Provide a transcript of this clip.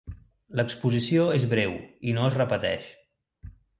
L'exposició és breu i no es repeteix.